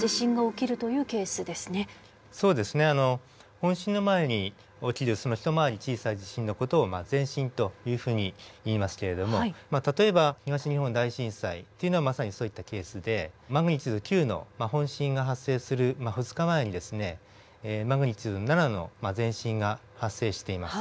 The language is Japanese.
本震の前に起きる一回り小さい地震の事を前震というふうにいいますけれども例えば東日本大震災というのはまさにそういったケースでマグニチュード９の本震が発生する２日前にマグニチュード７の前震が発生しています。